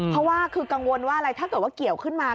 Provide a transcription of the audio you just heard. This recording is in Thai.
เพราะว่ากังวลว่าอะไรถ้าเกี่ยวขึ้นมา